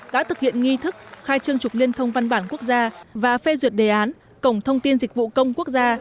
đã thực hiện nghi thức khai trương trục liên thông văn bản quốc gia và phê duyệt đề án cổng thông tin dịch vụ công quốc gia